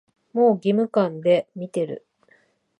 もう義務感で見てる